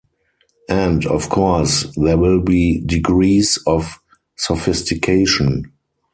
And, of course, there will be degrees of sophistication.